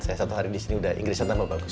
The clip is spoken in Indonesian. saya satu hari di sini udah inggrisnya tambah bagus